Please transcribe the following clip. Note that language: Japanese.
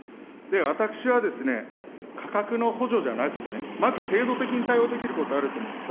私はですね、価格の補助じゃなくてね、まず制度的に対応できることあると思うんです。